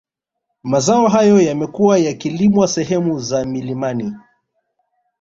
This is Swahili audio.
Mazao hayo yamekuwa yakilimwa sehemu za milimani